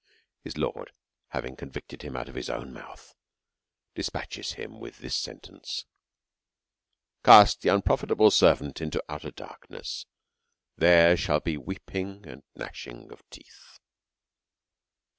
Matt. xxv. 24. His Lord having convicted him out of his own mouth, dispatches him with this sentence ; Cast the unprofitable servant into utter darkness ; there shall he weeping and g7iashing of teeth.